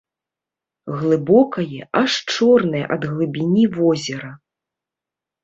Глыбокае, аж чорнае ад глыбіні возера.